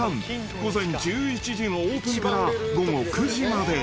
午前１１時のオープンから午後９時まで。